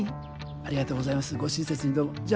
ありがとうございますご親切にどうもじゃあ。